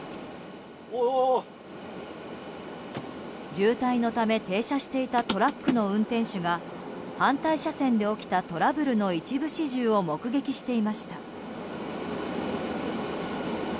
渋滞のため停車していたトラックの運転手が反対車線で起きたトラブルの一部始終を目撃していました。